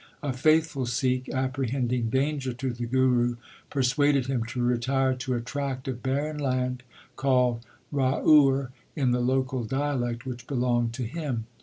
A faithful Sikh, apprehending danger to the Guru, persuaded him to retire to a tract of barren land, called Raur in the local dialect, which belonged to him.